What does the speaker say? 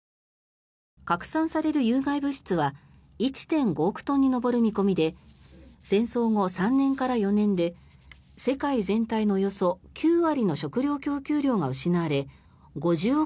拡散される有害物質は１．５億トンに上る見込みで戦争後、３年から４年で世界全体のおよそ９割の食料供給量が失われ５０億